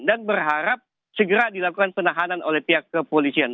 berharap segera dilakukan penahanan oleh pihak kepolisian